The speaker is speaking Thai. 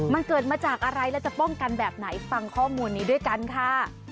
มันเกิดมาจากอะไรและจะป้องกันแบบไหนฟังข้อมูลนี้ด้วยกันค่ะ